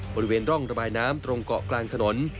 บริเวณร่องระบายน้ำตรงเกาะกลางถนน